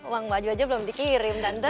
uang baju aja belum dikirim